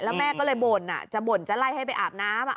แล้วแม่ก็เลยบ่นจะบ่นจะไล่ให้ไปอาบน้ำ